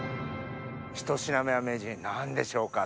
ひと品目は名人何でしょうか？